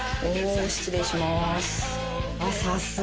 失礼しまーす。